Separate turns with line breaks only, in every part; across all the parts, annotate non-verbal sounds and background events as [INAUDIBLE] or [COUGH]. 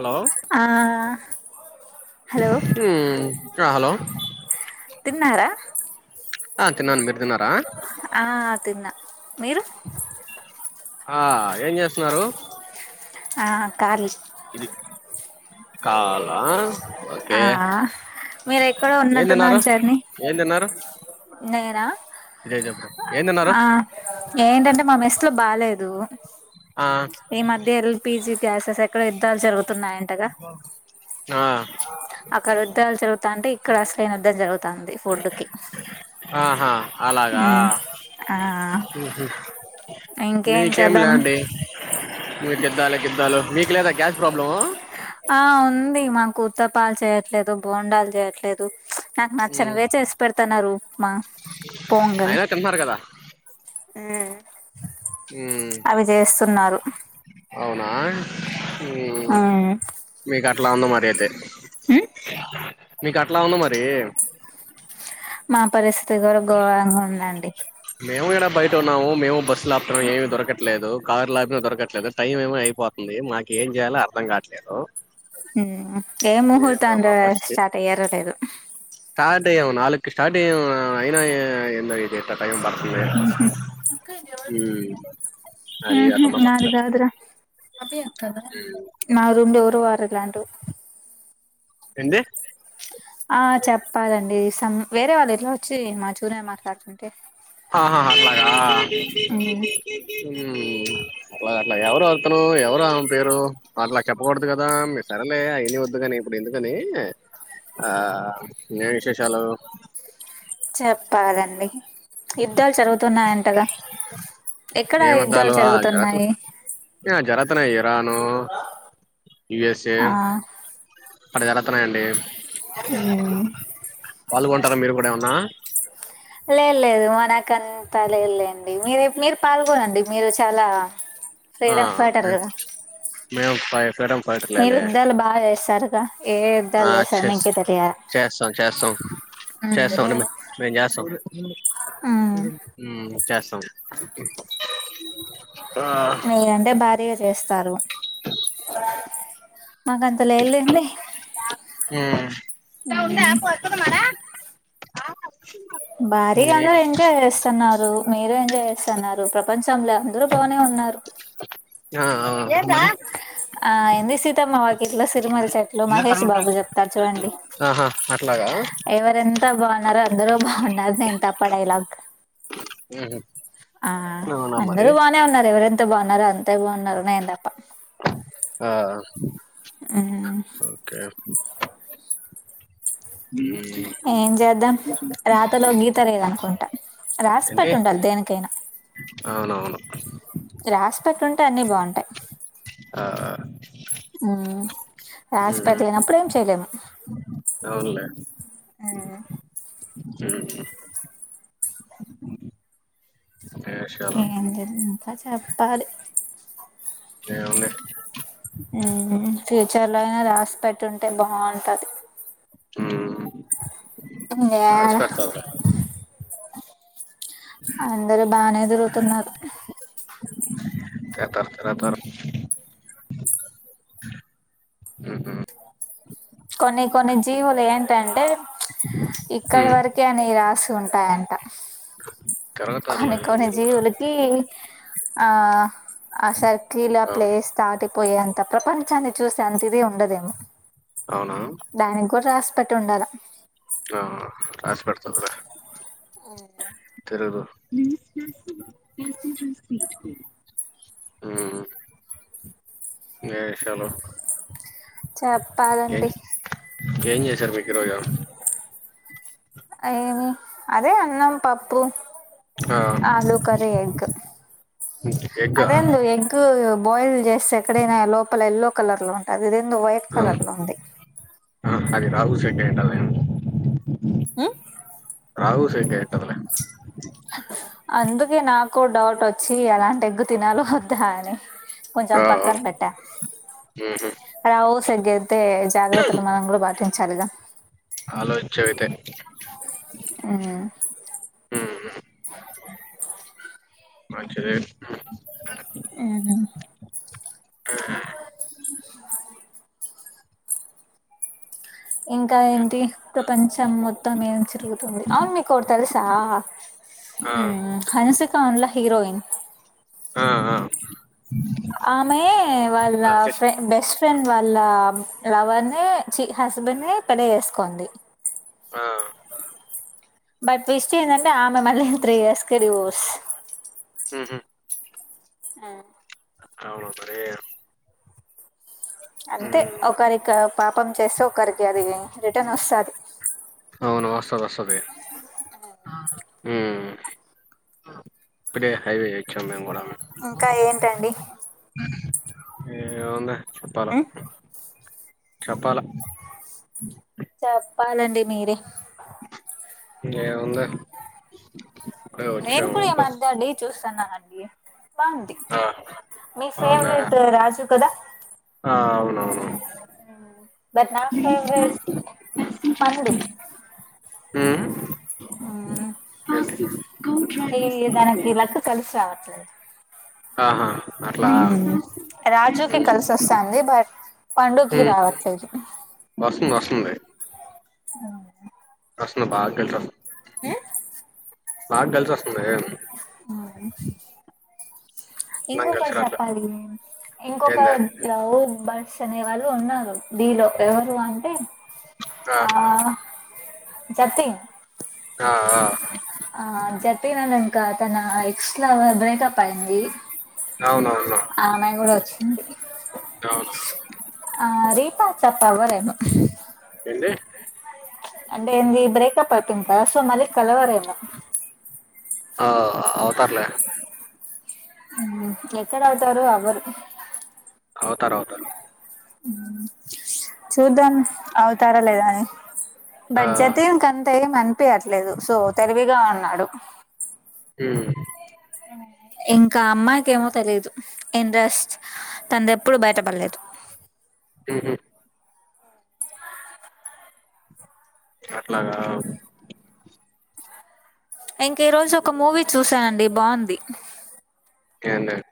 Hello
ఆ. Hello
మ్మ్, hello!
తిన్నారా
ఆ, తిన్నాను. మీరు తిన్నారా?
ఆ తిన్నా. మీరు?
ఆ, ఏం చేస్తున్నారు?
ఆ, ఖాళీ.
ఇది. కాలా
ఆ.
ఓకే
మీరు ఎక్కడో
ఏం తిన్నారు
ఉన్నట్టున్ సార్‌ని.
ఏం తిన్నారు ఇదే చెప్పు బ్రో, ఏం తిన్నారు?
ఏంటంటే, మా మెస్‌లో ఈ
ఆ
మధ్య బాలేదు ఏపీజీ. గ్యాస్‌ ఎక్కడో యుద్ధాలు జరుగుతున్నాయి అంటగా.
ఆ.
అక్కడ యుద్ధాలు జరుగుతుంటే, ఇక్కడ అసలైన యుద్ధం జరుగుతది ఫుడ్‌కి.
ఆహా! అలాగా,
ఆ
ఉహు.
ఇంకేం
మీకేం
చేద్దాం
లెండి, మీకిద్దాల యుద్ధాలు మీకు లేదా గ్యాస్ ప్రాబ్లము?
ఆ ఉంది మాకు, ఊతప్పలు చేయట్లేదు, బొండాలు చేయట్లేదు. నాకు
హ్మ్
నచ్చనివే చేసి పెడుతున్నారు, ఉప్మా, పొంగల్.
అయినా తింటున్నారు కదా
మ్మ్.
మ్మ్, అవునా! మ్మ్, మీకు అట్లా ఉంది మరి అయితే. మీకు, అట్లా ఉంది మరి.
మా పరిస్థితి గూడ, ఘోరంగా ఉందండి.
టున్నాము మేము బస్సు లాపుతూనం, ఏమి దొరకట్లేదు. కారు లాపినా దొరకట్లేదు. టైం ఏం అయిపోతుంది. మాకు ఏం.. ఏం చేయాలో, అర్థం గాట్లేదు.
మ్మ్, ఏ ముహూర్తాన
పరిస్థితి
స్టార్ట్ అయ్యారో లేదో.
స్టార్ట్ అయ్యాము నా, నాలుగుకి స్టార్ట్ అయ్యాము. ఆ, అయినా ఏ ఏందో ఇది ఇటా. టైం పడుతుంది, ఉమ్. అది
ఉమ్, హు
అటున్న
నాది
ముచ్చట
కాదు రా. అభి అక్క దా. నా రూమ్‌ ఎవరూ వారూ. Plan two.
ఎంది?
సమ్ వెరే వాళ్లు ఇట్లా వచ్చి మెచుర్యా మాట్లాడుతున్.
ఆహా, ఆహా! అట్లాగా.
మ్మ్
హ్మ్మ్, అట్లాగే, అట్లాగే ఎవరు వాళ్ల? అతను, ఎవరు ఆమె పేరు? అట్లా చెప్పకోడదు కదా? మీ సరేలే అయాన్నీ వద్దులే కానీ, ఇప్పుడు ఎందుకని. ఆ! నే, విశేషాలు?
చెప్పాల్లండి, ఇద్దర్ చరువుతున్నారు అంటగా? ఎక్కడ, ఆ
ఏం
ఇద్దర్
అద్దాలు ఆ
చరువుతున్నాయి?
రాను యూఎస్ఏ.
ఆ
పడ జలత్నాయి అండి, [UNINTELLIGIBLE] వాళ్లు గొం. వస్తారా? మీరు కూడా ఏమన్నా.
లేలేద్ మనకంతా లేదులేండి. మీర ఇప్ మీరు పాల్గొనండి మీరు చాలా
ఆ
ఫ్రీడఫ్ ఫైటర్
మే-
గదా
మేము ఫై ఫ్రీడమ్
మీరు
ఫైటర్లేలే
యుద్ధాలు బా ఏసరు.
ఆ చెస్ చేసవ్ చేసవ్
ఉమ్
చేసావండి మీమ్ మీ జేసావ్
ఉమ్
ఉహ్ చేసం
మీరంటే భారీగార్ ఏస్తారు. మాక్ అంత లేద్ లేండి
మ్మ్
ఉహ్
ఆహావ్
భారీగానే ఎంజాయ్ ఏసున్నారు. మీరు ఎంజాయ్ ఏసున్నారు. ప్రపంచంలో అన్ దూర్ పవనే ఉన్నారు
ఆ
ఆ ఏంది సీతమ్మ వాయక్ ఇట్లా సిరిమల్లె చెట్లు మహేష్
ఆ
బాబు జేప్తారు చూడండి
ఆహా అట్లాగా
ఎవరంతా బావున్నారు, అందరూ బావున్నారు నేన్ తప్ప డైలాగ్
హుహ్
ఆ అందరూ బానే ఉన్నారు ఎవరెంతో బావున్నారో అన్ దేవన్నారు నీన్ దప్ప.
ఒకే హు మ్మ్
ఏ జేద్దాం రాతలో గీత లేదనుకుంటా రాస్ పెట్టుండాలి దేనికైనా
అవునో
రాసి పెట్టుంటే అన్ని బావుంటాయ్
ఆఆ
ఉహ్ రాస్పెట్టలేనపుడు ఏం చేయలేం
నవునలే
ఎహేహ్
హుహ్ ఏషాల
ఏందిది ఇంకా చెప్పాలి.
ఎవలే
ఉహు్ ఫ్యూచర్ లో అయినా రాసి పెట్టుంటే బావుటది.
హుహ్
ఇంగేడా
పెడతారులే
అందరు బానే దురుగుతున్నారు.
తర్ తర్కార తర్ ఉహుహ్
కొన్ని కొన్ని జీవులు ఏంటంటే ఇక్కడి వరకే అని రాస్ ఉంటాయంటా.
తిరగతారులే
కానీ కొన్ని
మీరు కూడా
జీవులకి ఆ ఆ సర్కిల్ ఆ ప్లేస్ దాటిపోయే అంత ప్రపంచాన్ని చూసే అతిది ఉండదేమో
అవునా
దాని గూడు రాసిపెట్టి ఉండాలా
ఆ రాస్పెడ్తాదలే తెరూరు ప్లీజ్ జర్సీ జల్సీ జల్సీ. హు వేషలో
చెప్పాలండి
ఏంది ఏం జేసారు విగ్రోజం.
ఏమి అదే అన్నం పప్పు
ఆ
ఆలు కరీ ఎగ్
ఎగ్గా
అదేందో ఎగ్గుబ్ బాయిల్ జేసే ఎక్కడైనా లోపల ఎల్లో కలర్లో ఉంటది, ఇది ఏందో వైట్
అవును
కలర్లో ఉంది.
ఆ అది రాహు సెడైంటాదే
ఉహ్
కావుసైటే ఇటావా
అందుకే నాకు డౌట్ వచ్చి ఎలాంటి ఎగ్గు తినలో వద్దా అని కొంచెం
ఆ
పక్కన పెట్టా
ఉహు
రావ సగగే అయితే జాగ్రత్తలు మనం కూడా పాటించాలిగా
ఆలోచించావైతే ఉమ్
ఉమ్
మంచిద
ఉమ్ ఇంకా ఏంటి ప్రపంచం మొత్తం ఏం తరుగుతుంది అవును మీకు ఒకటి తెలుసా
ఆ
హన్సిక ఉండా హీరోయిన్
ఆ ఆ
ఆమె వాళ్ళ
ఆ చేస్
ఫ్రె బెస్ట్ ఫ్రెండ్ వాళ్ళ లవర్ ని హస్బెండ్ ని పెళ్ళి చేసుకుంది
ఆ
బట్ ట్విస్ట్ ఏంటంటే ఆమె మళ్ళీ త్రీ ఇయర్స్ క డివోర్స్
ఆహా
ఆ
అవును మర
అంతే ఒకరికి పాపం చేస్తే ఒకరికి అది రిటర్న్ వస్తుంది
అవును వస్తది వస్తుద ఇప్పుడే హైవే వచ్చాం మేము కూడా
ఇంకా ఏంటండి
ఏం ఉంది చెప్పాలా
ఉ
చెప్పాలా
చేపలండి మీరే
ఏం ఉంది
నేను కూడా ఈ మధ్య డీ చూస్తాన్నా అండి బాగుంది
ఆ
మీ
అవునా
ఫేవరెట్ రాజు కదా
ఆ అవునవును
బట్ నా ఫేవరెట్ పండు ఆ ఏ తనకి లక్క కలిసి రావట్లేదు
ఆహా అట్లా
రాజుకి కలిసి వస్తాంది బట్ పండుూకిీ
ఉమ్
రావచ్చు
వస్తుంది వస్తుంది
అవు
అసలు బాగా కలిసొ
ఉమ్
బాగా కలిసి వస్తుంది
అ
నాకు కలిసి
ఇంకొకటి
రాట్లే
చెప్పాలి ఇంకొక
ఏందే
బర్స్ అనే వాళ్ళు ఉన్నారు డీ లో ఎవరు అంటే ఆ జతీన్
ఆ ఆ
ఆ జతీన్ అ ఇంకా తన ఎక్స లవర్ బ్రేకప్ పైంది
అవునవును
ఆ అమ్మాయి కూడా వచ్చింది
అవును
రీ పట్చప్ అవ్వరేమో
ఏంది
అంటేంది ఈ బ్రేక్ప్ అవుతుందికదా సో మలీ కలవారు ఏమో
ఆ అవుతర్లే
ఎక్కడ అవుతారు ఎవ్వరు
అవుతారు అవుతారు
చూద్దాం అవుతారా లేదా అని
ఆ!
బట్జతీన్ అంతేం అనిపియట్లేదు సో తెలివిగా అన్నాడు
ఊమ్
అ ఇంకామ్మాయికేమో తెలిదు ఇంట్రస్ట్ తన్దెప్పుడు బయటపల్లేదు
ఉహు అట్లాగా
ఇంకీ రోజు ఒక మూవీ చూశానండి బాంది
ఏందద్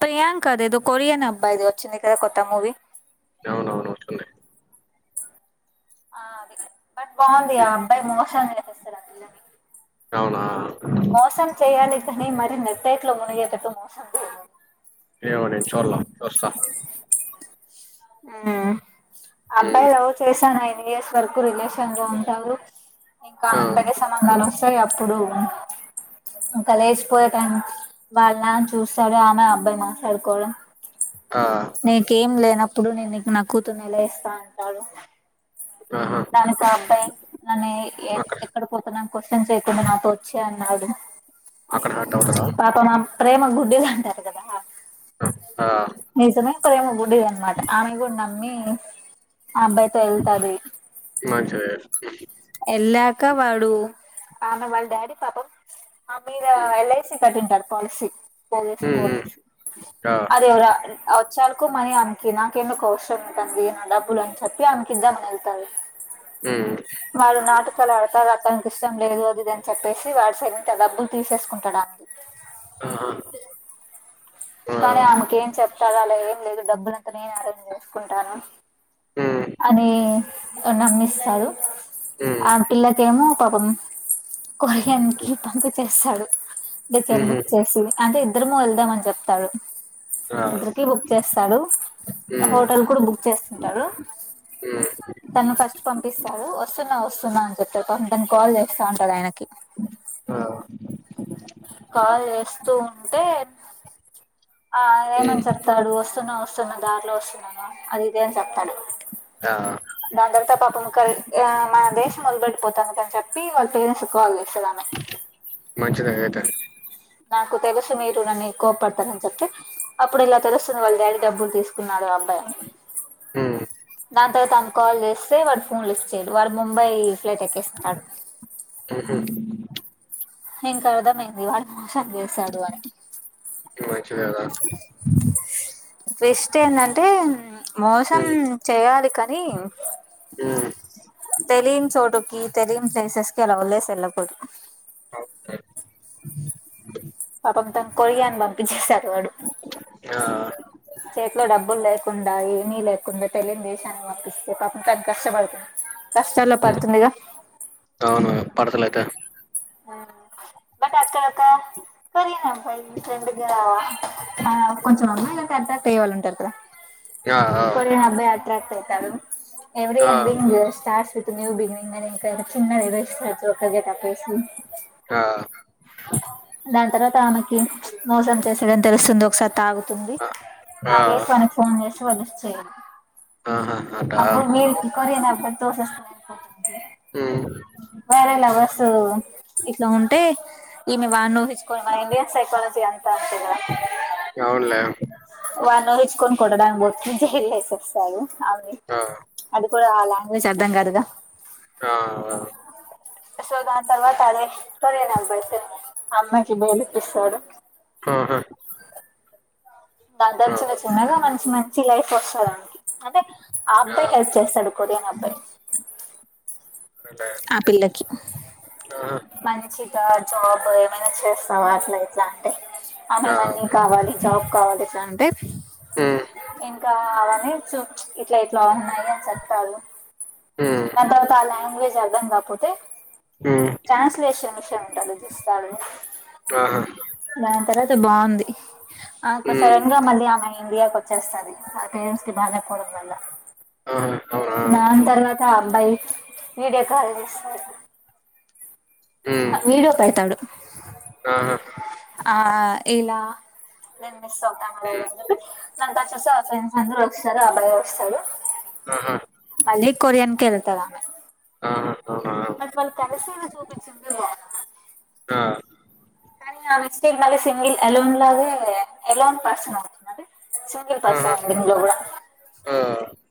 ప్రియాంకదేదొ కొరియన్ అబ్బాయిది ఒచ్చింది కదా కొత్త మూవీ
ఔనౌను ఒస్తుంది
ఆ బట్ బాంది ఆ
హ్మ్.
అబ్బాయి మోసం చేసేస్తడు అ పిల్లని
ఒనా
మోసం చేయాలి కనీ మరి నెట్టేట్లో మునిగేటటు మోసం చేయా
మో నేన్ చుడ్ల చుస్త
అ అబ్బాయి
హ్మ్.
లవ్ చేసాన ఇయర్స్ వరకు రిలేషన్లొ ఉంటారు ఇంకా
ఆ!
అక్కడే సంబధాలు ఒ సది అప్పుడు ఇంకా లేచిపోయే టైం వాళ్ నాన చూస్తాడు ఆమె అబ్బాయి మాట్లాడుకోడం
ఆ!
నీకేం లేనప్పుడు నేను నీకు నా కూతుర్ని ఎల ఇస్త అంటాడు
ఆహా!
దానికాబ్బాయి నన్ ఎ ఎ
అక్కడ
ఎక్కడ పోతున్నామని క్వశ్చన్ చేయకుండ నాతో ఒచ్చెయ్ ఔడ్
అక్కడ హట్టైవ్తడా
ప్రేమ గుద్దిద్హాంటారు గదా
ఆ! ఆ!
నిజమె ప్రేమ గుడ్డిదన్మాట ఆమె మో గుడ్ నమ్మి ఆ అబ్బాయితో ఏళ్తాది
మంచిదే
ఏళ్ళకా వాడు ఆమె వాళ్ డాడీ పాపం ఆ మీద
హ్మ్.
ఎల్ఐసి కట్టిండట పొలసీ పోగేసి
హ్మ్. హ్మ్.
పోగేసి
ఆ!
అది వల్ ఎ వ వచ్చార్కు మనీ అమెకి నాకెందుకు కౌశ్రం ఉంటంది న డబ్బులు అని చెప్పి అమెకిద్దామని ఎళ్తాది
ఊమ్
వాళ్ నాటుకాలడతా అతనికి ఇష్టం లేదు అదిదని చెప్పేసి వాడు సైలెంట్గ ఆ డబ్బుల్ తీసేస్కుంటాడాన్
ఆహా! ఆ!
కదాల ఏం లేదు డబ్బులంత నేనె అరేంజ్ చేస్కుంటాను
హ్మ్.
అదీ నమ్మీస్తారు
హ్మ్.
ఆ పిల్లకేమో పాపం కొహ్రియన్కి పంపిచేస్తాడు టికెట్
హుహు.
బుక్ చేసి అంటే ఇద్దరము వెళ్దామని చెప్ తడు
ఆ!
ఇద్దర్కి బుక్ చేస్తాడు
హ్మ్.
హోటల్ కూడ్ బుక్ చేస్తుంటాడు
హ్మ్.
తను ఫస్ట్ పంపిస్తాడు ఒస్సున్నా ఒస్సున్నా అని చెప్తడు పం తను కాల్ చేస్తా ఉంటడైనకి
అ
కాలేస్తూ ఉంటే ఆ ఏమని
హ్మ్.
చెప్తాడు వస్ స్తున్న ఒస్తున్నా దార్లో ఒస్తున్నాను అదిది అని చెప్తాడు
ఆ!
దాన్ తర్వాత పాపముక్క ఇయ మా దేశం మొదిలిపెట్టిపోతానికని చెప్పి వాళ్ళ పేరెంట్న్స్కాల్చేస్తదామ్
మంచిదఐతె
నాకు తెల్సు మీరు నన్నీ కోప్డ్తారని చెప్తే అప్పుడు ఇలా తెలుస్తుంది వాళ్డాడీ డబ్బులు తీస్కున్నా ఆబ్బయ
ఊ
దాన్తర్వాతామ్ కాల్ జేస్తే వాడ్ ఫోన్లిఫ్చ్చేడు వాడు ముంబై ఫ్లైట్ ఎక్కేస్తాడు
హుహు.
ఇంకాదా మేంది వాన్హ్ సం జేస్సడు అని
మంచిదే కదా!
ట్వీస్ట్ ఏందంటే మోసం చేయాలి కనీ
ఉ
తెలీని ప్లేసెస్ కి అలా వదిలేసి ఏళ్లకూడదు
అ
పాపం తను [UNINTELLIGIBLE]
ఆ
కుండా ఏమీ లేకుండ తెలియనీ దేశానికి పంపిస్తే పాపం తను కష్టపడు కష్టాల్లో
హ్మ్.
పడుతుందిగా
అవును పడతలేదా
బట్ అక్కడ కా సరే అబాయి మీ ఫ్రెండ్ గా కొంచెం అమ్మాయి అట్రాక్ట్ అయ్యే ఉంటారు కదా
ఆ ఆ
కొరియన్ అబాయి అట్రాక్ట్ అయితారు ఎవ్రీ
ఆ
ఎడింగ్ స్టార్స్ వి [UNINTELLIGIBLE]
ఆ
దాని తర్వాత ఆమెకి మోసం చేసాడని తెలుస్తుంది ఒకసారి తాగు ంది
ఆ ఆ!
తగే మనకి ఫోన్ చేస్తే వాడు లిఫ్ట్ చేయడు
ఆహా అట
అప్పుడు కొరియన్ అబ్బాయితో [UNINTELLIGIBLE]
హు
వేరే లవర్స్ ఇట్లా ఉంటే ఈమే వన్నీ ఊహించుకొని మన ఇండియన్ సైకాలజీ అంత అంతే కదా
అవునులే
[UNINTELLIGIBLE]
ఆ
కూడ ఆ లాంగ్వేజ్ అర్థం కాదుగా
ఆ
సో దాని తర్వాత అదే సరే కొరియన్ అబ్బాయి సార్ అమ్మాకి బయలుప్పిస్తాడు
ఆహా
దాని
ఆ
చిన్న చిన్నగా మంచి మంచి లైఫ్ వస్తది ఆమెకి అంటే ఆ అబ్బాయి హెల్ప్ చేస్తాడు కొరియన్ అబ్బాయి
అలే
ఆ పిల్లకి మంచిగా జా ఏమైనా చేస్తావా అట్లా ఇట్లా అంటే ఆమె
ఆ
మనీ కావాలి జాబ్ కావాలి ఇట్ల అంటే
హ్మ్
అవని చు ఇట్ల ఇట్ల ఉన్నాయి అని చెప్తారు
హ్మ్
దాని తర్వాత అల లాంగ్వేజ్ అర్ధం కాకపోతే
హ్మ్
ట్రాన్స్లేషన్ విషయం
ఆహా
దాని తర్వాత బాగుంది ఆ
హ్మ్
సడన్ గా మళ్ళీ ఆమె ఇండియాకి వచ్చేస్తది వాళ్ళ పేరెంట్స్ కి బాగలేపోవడం వల్ల
ఆహా అవునా
దాన్ తర్వాత అబ్బాయి వీడియో కాల్ చేస్తడు విడియో పెడతాడు
ఆ
ఆ ఇలా నేను మిస్ అవుతామో
హ్మ్
[UNINTELLIGIBLE] [UNINTELLIGIBLE]
ఆహా
[UNINTELLIGIBLE] ఆమె
ఆ
బట్ వాళ్ళు కలిసేవి [UNINTELLIGIBLE]
ఆ
కానీ ఆ [UNINTELLIGIBLE] మళ్ళీ సింగిల్ ఎలోన్ లాగే ఎలోన్ పర్సన్ అవుతది సింగిల్
ఆహా
పర్సన్ ఎండ్ లో కూడ
ఆ